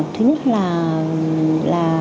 thứ nhất là